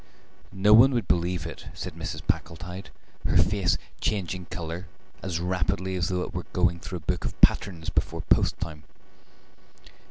"No one would believe it," said Mrs. Packletide, her face changing colour as rapidly as though it were going through a book of patterns before post time.